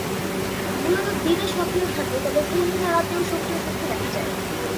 মূলত দিনে সক্রিয় থাকে, তবে পূর্ণিমা রাতেও সক্রিয় থাকতে দেখা যায়।